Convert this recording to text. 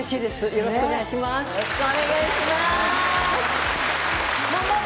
よろしくお願いします。